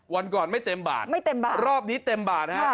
วันก่อนไม่เต็มบาทไม่เต็มบาทรอบนี้เต็มบาทฮะ